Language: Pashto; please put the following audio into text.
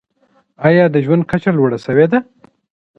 ایا د ژوند کچه لوړه سوي ده؟